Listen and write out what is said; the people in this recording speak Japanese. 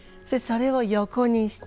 それを横に。